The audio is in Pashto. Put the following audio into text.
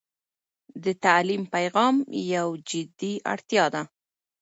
د تعلیم پیغام یو جدي اړتيا ده.